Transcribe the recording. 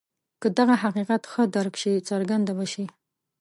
که دغه حقیقت ښه درک شي څرګنده به شي.